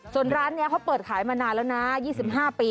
ส่วนร้านนี้เขาเปิดขายมานานแล้วนะ๒๕ปี